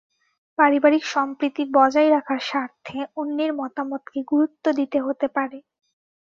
পারিবারিক সম্প্রীতি বজায় রাখার স্বার্থে অন্যের মতামতকে গুরুত্ব দিতে হতে পারে।